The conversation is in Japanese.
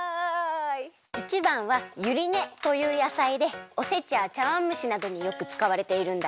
１ばんはゆりねというやさいでおせちやちゃわんむしなどによくつかわれているんだって。